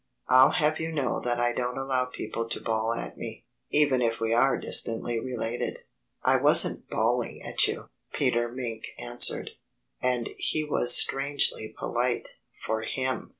"I'll have you know that I don't allow people to bawl at me, even if we are distantly related." "I wasn't bawling at you," Peter Mink answered. And he was strangely polite, for him.